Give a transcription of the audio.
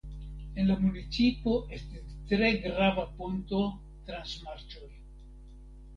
En la municipo estis tre grava ponto trans marĉoj.